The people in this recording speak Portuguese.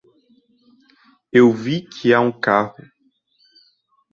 Eu vi que há um carro.